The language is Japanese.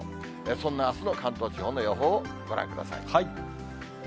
そんなあすの関東地方の予報をご覧ください。